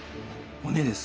骨です。